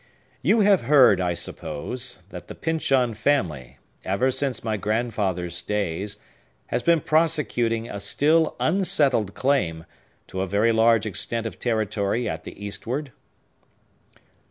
You have heard, I suppose, that the Pyncheon family, ever since my grandfather's days, have been prosecuting a still unsettled claim to a very large extent of territory at the Eastward?"